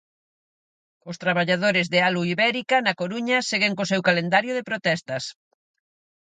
Os traballadores de Alu Ibérica, na Coruña, seguen co seu calendario de protestas.